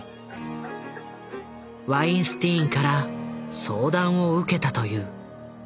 ワインスティーンから相談を受けたという。